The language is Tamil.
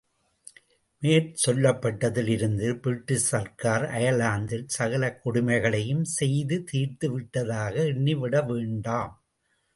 மேற்சொல்லப்பட்டதில் இருந்து பிரிட்டிஷ் சர்க்கார் அயர்லாந்தில் சகல கொடுமைகளையும் செய்து தீர்த்துவிட்டதாக எண்ணிவிடவேண்டாம்.